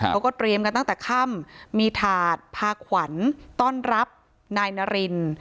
เขาก็เตรียมกันตั้งแต่ค่ำมีถาดพาขวัญต้อนรับนายนาริน